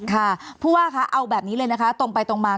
ค่ะผู้ว่าคะเอาแบบนี้เลยนะคะตรงไปตรงมา